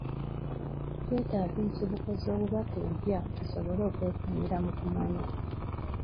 Twetaaga ensibuko z'obubaka empya tusobole okwekuumira mu kumanya.